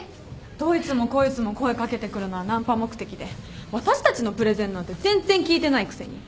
どいつもこいつも声掛けてくるのはナンパ目的で私たちのプレゼンなんて全然聞いてないくせに。